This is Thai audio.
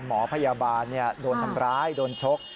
หมอพยาบาลโดนทำร้ายโดนชก